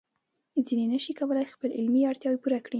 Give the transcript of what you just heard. ځینې نشي کولای خپل علمي اړتیاوې پوره کړي.